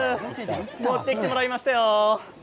持ってきていただきましたよ。